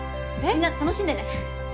みんな楽しんでね。